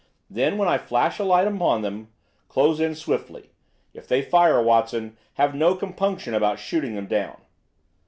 Then, when I flash a light upon them, close in swiftly. If they fire, Watson, have no compunction about shooting them down."